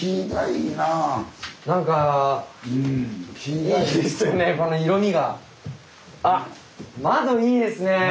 なんかいいですね